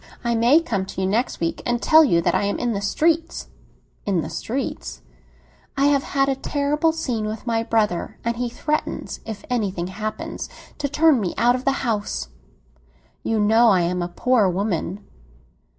"I may come to you next week and tell you that I am in the streets!" "In the streets?" "I have had a terrible scene with my brother, and he threatens, if anything happens, to turn me out of the house. You know I am a poor woman."